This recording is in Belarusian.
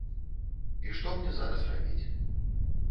І што мяне зараз рабіць?